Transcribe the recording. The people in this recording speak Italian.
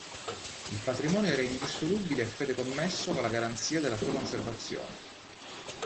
Il patrimonio era indissolubile e fedecommesso con la garanzia della sua conservazione.